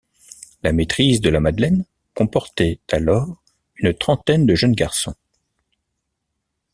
La maîtrise de la Madeleine comportait alors une trentaine de jeunes garçons.